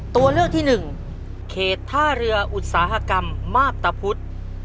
ตัวเลือกที่หนึ่งเขตท่าเรืออุตสาหกรรมมาพตะพุธ